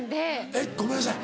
えっごめんなさい。